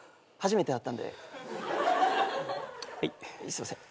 すいません。